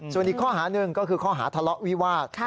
ส่วนอีกข้อหาหนึ่งก็คือข้อหาทะเลาะวิวาส